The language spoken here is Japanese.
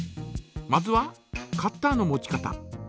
まずはカッターの持ち方。